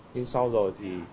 nhưng sau rồi thì